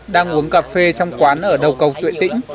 đang uống cà phê trong quán ở đầu cầu tuệ tĩnh